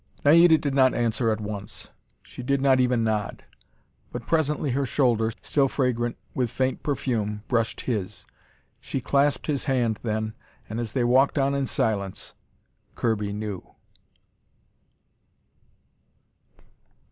Naida did not answer at once. She did not even nod. But presently her shoulder, still fragrant with faint perfume, brushed his. She clasped his hand then, and as they walked on in silence, Kirby knew.